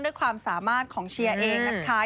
ด้วยความสามารถของเชียร์เองนะคะ